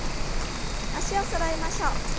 脚をそろえましょう。